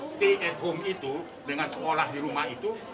stay at home itu dengan sekolah di rumah itu